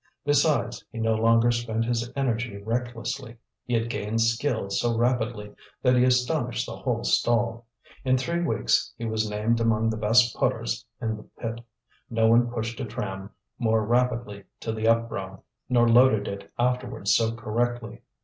Besides, he no longer spent his energy recklessly; he had gained skill so rapidly that he astonished the whole stall. In three weeks he was named among the best putters in the pit; no one pushed a tram more rapidly to the upbrow, nor loaded it afterwards so correctly.